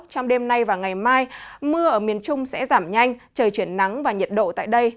trong đêm nay và ngày mai mưa ở miền trung sẽ giảm nhanh trời chuyển nắng và nhiệt độ tại đây